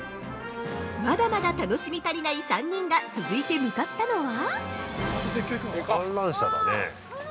まだまだ楽しみ足りない３人が続いて向かったのは◆